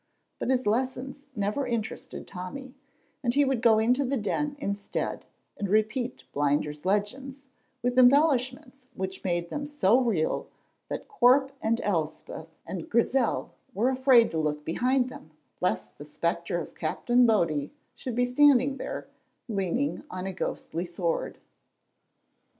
But his lessons never interested Tommy, and he would go into the Den instead, and repeat Blinder's legends, with embellishments which made them so real that Corp and Elspeth and Grizel were afraid to look behind them lest the spectre of Captain Body should be standing there, leaning on a ghostly sword.